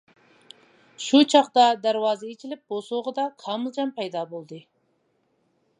شۇ چاغدا دەرۋازا ئېچىلىپ، بوسۇغىدا كامىلجان پەيدا بولدى.